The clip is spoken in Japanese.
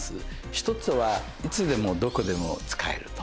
一つはいつでもどこでも使えると。